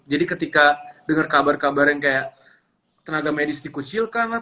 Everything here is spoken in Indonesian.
jadi ketika dengar kabar kabar yang kayak tenaga medis dikucilkan lah